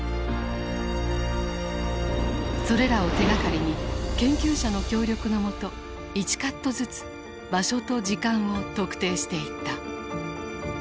それらを手がかりに研究者の協力の下１カットずつ場所と時間を特定していった。